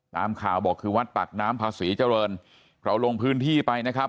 ตามข่าวบอกคือวัดปากน้ำพาศรีเจริญเราลงพื้นที่ไปนะครับ